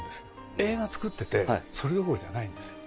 映画作ってて、それどころじゃないんですよ。